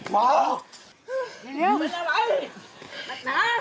กะเลยเอาเลย